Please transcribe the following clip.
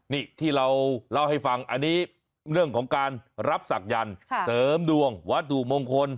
นี่ที่เราเล่าให้ฟังอันนี้เรื่องของการรับศักยันต์เสริมดวงวัตถุมงคล